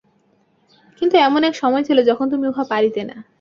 কিন্তু এমন এক সময় ছিল, যখন তুমি উহা পারিতে না।